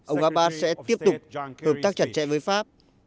ông abbas sẽ tiếp tục hợp tác chặt chẽ với pháp